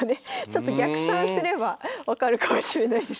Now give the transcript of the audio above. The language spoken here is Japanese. ちょっと逆算すれば分かるかもしれないですけど。